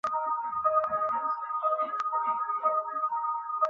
কারণ, মেসিডোনিয়াসহ কয়েকটি দেশ গ্রিসের সঙ্গে তাদের সীমান্ত বন্ধ করে দিয়েছে।